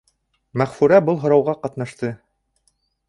Мәғфүрә был һорауға ҡатнашты.